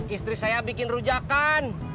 istri saya bikin rujakan